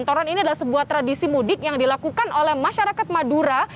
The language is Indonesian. kantoran ini adalah sebuah tradisi mudik yang dilakukan oleh masyarakat madura